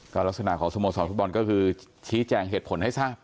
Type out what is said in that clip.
ก็ลักษณะของสโมสรฟุตบอลก็คือชี้แจงเหตุผลให้ทราบ